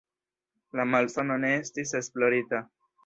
La malsano ne estis esplorita.